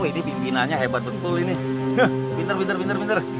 ini pimpinannya hebat betul ini bintar bintar